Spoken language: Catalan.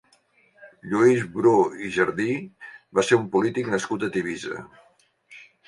Lluís Bru i Jardí va ser un polític nascut a Tivissa.